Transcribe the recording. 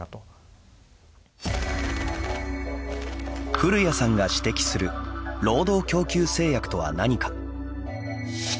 古屋さんが指摘する労働供給制約とは何か。